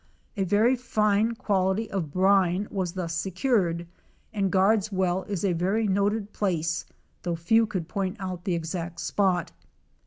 A very fine quality of brine was thus secured, and Guard's well is a very noted place, though few could point out the exact spot.